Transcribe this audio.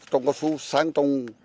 trồng cao su sang trong